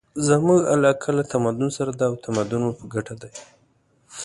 زموږ علاقه له تمدن سره ده او تمدن مو په ګټه دی.